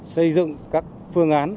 xây dựng các phương án